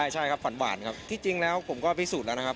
ใช่ครับหวานครับที่จริงแล้วผมก็พิสูจน์แล้วนะครับ